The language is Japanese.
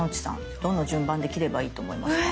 どの順番で切ればいいと思いますか？